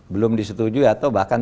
belum disetujui atau bahkan